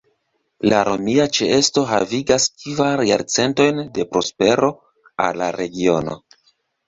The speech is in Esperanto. La romia ĉeesto havigas kvar jarcentojn de prospero al la regiono.